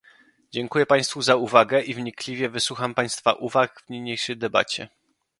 Dziękuję państwu za uwagę i wnikliwie wysłucham państwa uwag w niniejszej debacie